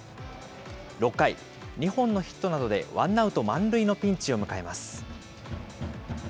６回、２本のヒットなどでワンアウト満塁のピンチを迎えます。